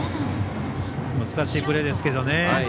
難しいプレーですけどね